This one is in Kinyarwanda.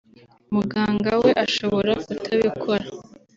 muganga we ashobora kutabikora